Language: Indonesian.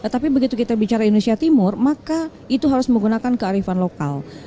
tapi begitu kita bicara indonesia timur maka itu harus menggunakan kearifan lokal